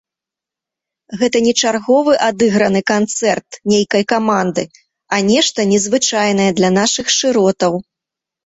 Гэта не чарговы адыграны канцэрт нейкай каманды, а нешта незвычайнае для нашых шыротаў.